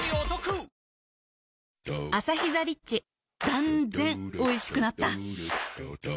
断然おいしくなった